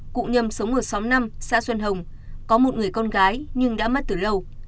cụ nhâm sống ở xóm năm xã xuân hồng có một người con gái nhưng đã mất từ lâu